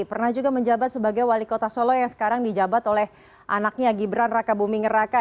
pernah juga menjabat sebagai wali kota solo yang sekarang dijabat oleh anaknya gibran raka buming raka